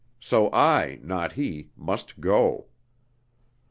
So I, not he, must go.